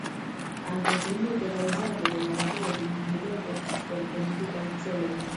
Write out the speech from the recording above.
Ankaŭ plimulto da uzado de la radio dum tiu tempo estis por politikaj celoj.